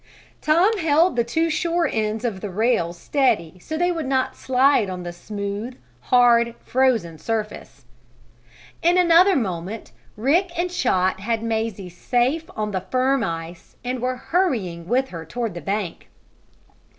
Tom held the two shore ends of the rails steady so they would not slide on the smooth, hard, frozen surface. In another moment Rick and Chot had Mazie safe on the firm ice and were hurrying with her toward the bank.